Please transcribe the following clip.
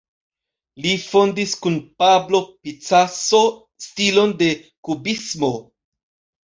Li fondis kun Pablo Picasso stilon de kubismo.